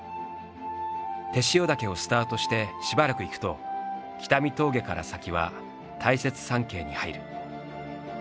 天塩岳をスタートしてしばらく行くと北見峠から先は大雪山系に入る。